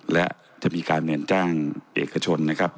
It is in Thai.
และจะมีการเปลี่ยนจ้างเอกชนนะครับ